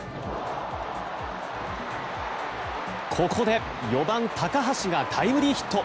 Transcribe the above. ここで４番、高橋がタイムリーヒット。